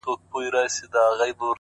هوښیار انسان له وخت سره سیالي نه کوي,